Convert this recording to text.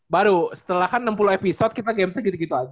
baru setelah kan enam puluh episode kita gamesnya gitu gitu aja